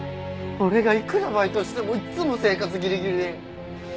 俺がいくらバイトしてもいつも生活ギリギリで。